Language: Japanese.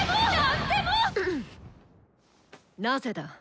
なぜだ？